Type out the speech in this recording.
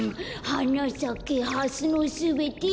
「はなさけハスのすべて」